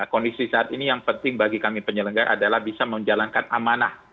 kondisi saat ini yang penting bagi kami penyelenggara adalah bisa menjalankan amanah